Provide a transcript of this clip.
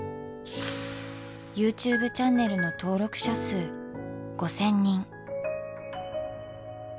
ＹｏｕＴｕｂｅチャンネルの登録者数５，０００人。